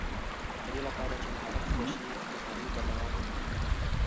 د دې لپاره چې مهارت زده شي، بېکاري به دوام ونه کړي.